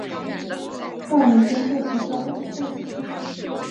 大尾真剑水蚤为剑水蚤科真剑水蚤属的动物。